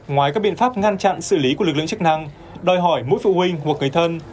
ngoài các biện pháp ngăn chặn xử lý của lực lượng chức năng đòi hỏi mỗi phụ huynh hoặc người thân